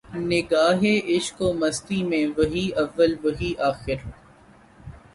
نگاہ عشق و مستی میں وہی اول وہی آخر